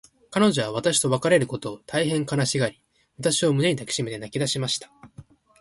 彼女は私と別れることを、大へん悲しがり、私を胸に抱きしめて泣きだしました。